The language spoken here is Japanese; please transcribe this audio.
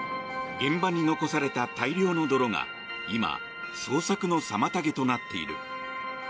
現場に残された大量の泥が今、捜索の妨げとなっている。